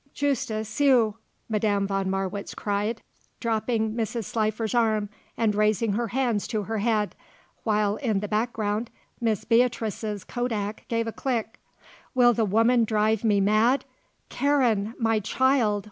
"Justes cieux!" Madame von Marwitz cried, dropping Mrs. Slifer's arm and raising her hands to her head, while, in the background, Miss Beatrice's kodak gave a click "Will the woman drive me mad! Karen! My child!